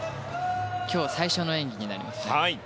今日最初の演技になります。